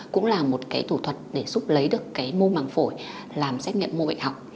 cũng là một thủ thuật để giúp lấy được mô măng phổi làm xét nghiệm mô bệnh học